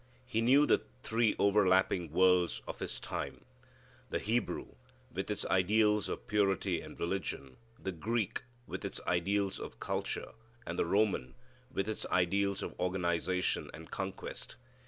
He knew the three over lapping worlds of his time: the Hebrew, with its ideals of purity and religion; the Greek, with its ideals of culture; and the Roman, with its ideals of organization and conquest.